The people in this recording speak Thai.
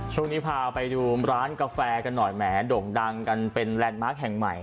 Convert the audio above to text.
ช่วงนี้พาไปดูร้านกาแฟกันหน่อยแหมโด่งดังกันเป็นแลนด์มาร์คแห่งใหม่